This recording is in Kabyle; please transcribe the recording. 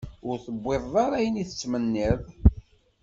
Ur tewwiḍeḍ ara ayen i tettmenniḍ.